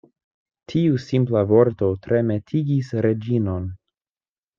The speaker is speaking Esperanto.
Tiu simpla vorto tremetigis Reĝinon.